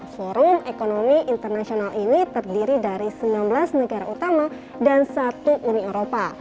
forum ekonomi internasional ini terdiri dari sembilan belas negara utama dan satu uni eropa